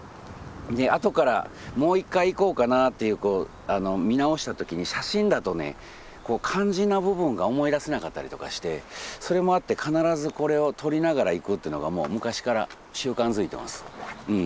であとからもう一回行こうかなって見直したときに写真だとね肝心な部分が思い出せなかったりとかしてそれもあって必ずこれを撮りながら行くっていうのが昔から習慣づいてます。